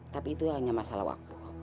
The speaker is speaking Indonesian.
tapi itu hanya masalah waktu